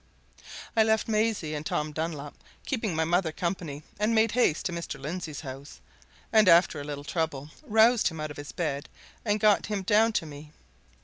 I left Maisie and Tom Dunlop keeping my mother company and made haste to Mr. Lindsey's house, and after a little trouble roused him out of his bed and got him down to me.